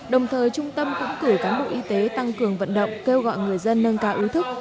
đồng thời trung tâm cũng cử cán bộ y tế tăng cường vận động kêu gọi người dân nâng cao ý thức